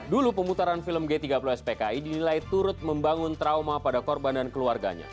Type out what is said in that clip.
dulu pemutaran film g tiga puluh spki dinilai turut membangun trauma pada korban dan keluarganya